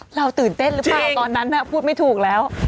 หรือเปล่าตอนนั้นน่ะพูดไม่ถูกแล้ว